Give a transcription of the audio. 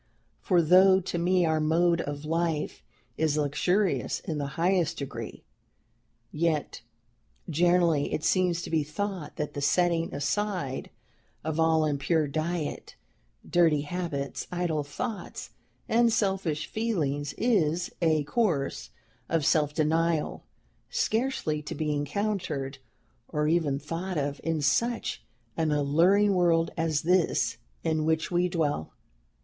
For though to me our mode of life is luxurious in the highest degree, yet generally it seems to be thought that the setting aside of all impure diet, dirty habits, idle thoughts, and selfish feelings, is a course of self denial, scarcely to be encountered or even thought of in such an alluring world as this in which we dwell.